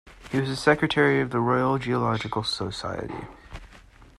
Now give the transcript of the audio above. He was a secretary of the Royal Geological Society.